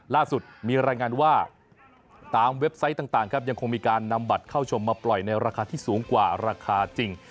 ล่าสุดมีรายงานว่าตามเว็บไซต์ต่างครับยังคงมีการนำบัตรเข้าชมมาปล่อยในราคาที่สูงกว่าราคาจริง